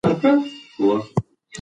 پښتو ژبه په زده کړه کې بې میلي نه راولي.